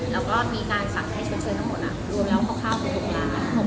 แล้วก็มีการสั่งให้ชดเชยทั้งหมดรวมแล้วคร่าวไป๖ล้าน